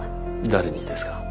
誰にですか？